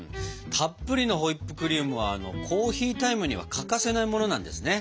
たっぷりのホイップクリームはコーヒータイムには欠かせないものなんですね。